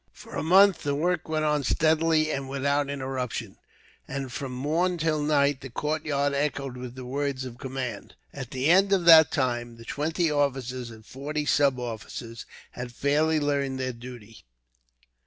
For a month, the work went on steadily and without interruption, and from morn till night the courtyard echoed with the words of command. At the end of that time, the twenty officers and forty sub officers had fairly learned their duty.